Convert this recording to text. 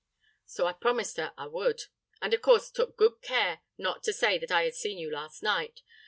'—So I promised her I would; and I of course took good care not to say that I had seen you last night.